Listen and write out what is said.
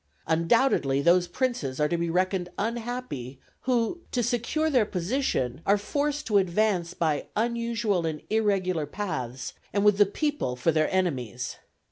Undoubtedly those princes are to be reckoned unhappy, who, to secure their position, are forced to advance by unusual and irregular paths, and with the people for their enemies.